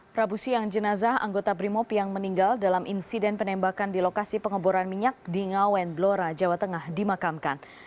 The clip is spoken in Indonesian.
prabu siang jenazah anggota brimob yang meninggal dalam insiden penembakan di lokasi pengeboran minyak di ngawen blora jawa tengah dimakamkan